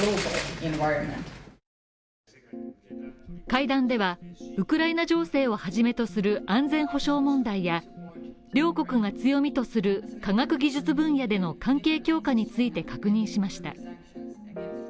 会談ではウクライナ情勢をはじめとする安全保障問題や両国が強みとする科学技術分野での関係強化について確認しました。